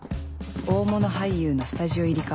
大物俳優のスタジオ入りか